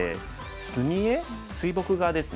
墨絵水墨画ですね。